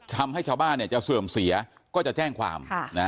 ทำให้ชาวบ้านจะเสื่อมเสียก็จะแจ้งความ